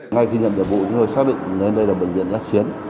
ngay khi nhận được vụ chúng tôi xác định nên đây là bệnh viện giác xiến